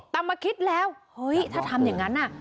แต่มาคิดแล้วเฮ้ยถ้าทำอย่างนั้นน่ะ